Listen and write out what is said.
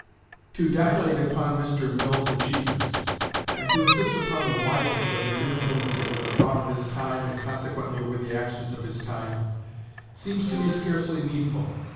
To dilate upon Mr. Mill's achievements, and to insist upon the wideness of his influence over the thought of his time and consequently over the actions of his time, seems to me scarcely needful.